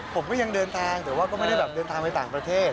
ผมก็ยังเดินทางแต่ว่าก็ไม่ได้แบบเดินทางไปต่างประเทศ